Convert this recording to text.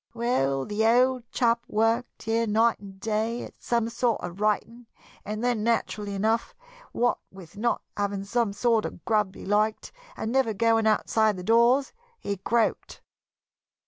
Well, the old chap worked here night and day at some sort of writing, and then, naturally enough, what with not having the sort of grub he liked, and never going outside the doors, he croaked."